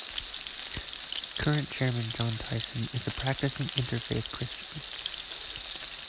Current chairman John Tyson is a practicing Interfaith Christian.